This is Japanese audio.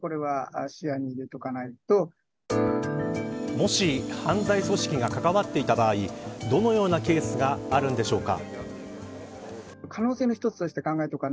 もし犯罪組織が関わっていた場合どのようなケースがあるのでしょうか。